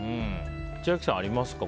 千秋さんはありますか。